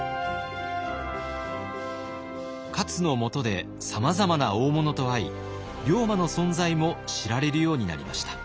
勝のもとでさまざまな大物と会い龍馬の存在も知られるようになりました。